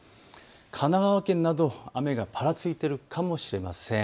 神奈川県など雨がぱらついているかもしれません。